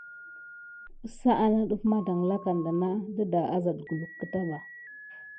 Uffono ana def mazalaka misan kulun nateba asoh tupay ba.